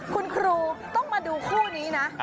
คุณครูต้องมาดูคู่นี้นะ